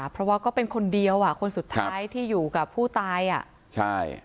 เพราะว่าก็เป็นคนเดียวอ่ะคนสุดท้ายที่อยู่กับผู้ตายอ่ะใช่